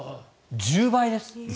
１０倍です。